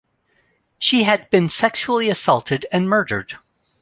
She had been sexually assaulted and murdered.